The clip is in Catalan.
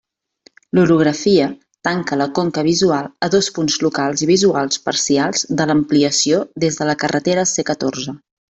L'orografia tanca la conca visual a dos punts locals i visuals parcials de l'ampliació des de la carretera C catorze.